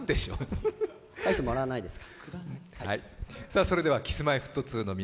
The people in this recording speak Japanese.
返してもらわないです。